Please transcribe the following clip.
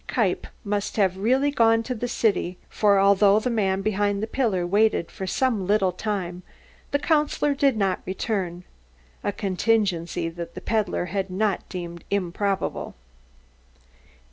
Kniepp must have really gone to the city, for although the man behind the pillar waited for some little time, the Councillor did not return a contingency that the peddler had not deemed improbable.